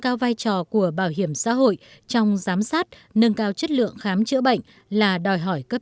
cao vai trò của bảo hiểm xã hội trong giám sát nâng cao chất lượng khám chữa bệnh là đòi hỏi cấp